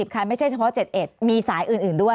คันไม่ใช่เฉพาะ๗๑มีสายอื่นด้วย